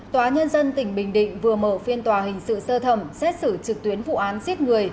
tòa nhân dân tỉnh bình định vừa mở phiên tòa hình sự sơ thẩm xét xử trực tuyến vụ án giết người